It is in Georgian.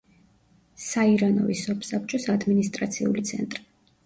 საირანოვის სოფსაბჭოს ადმინისტრაციული ცენტრი.